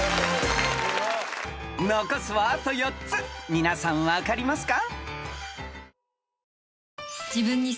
［残すはあと４つ皆さん分かりますか？］